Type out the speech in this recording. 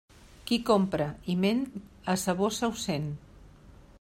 Qui compra i ment, a sa bossa ho sent.